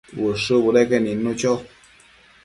Ushë budeque nidnu cho